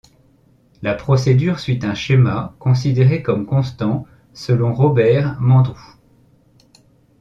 La procédure suit un schéma, considéré comme constant selon Robert Mandrou.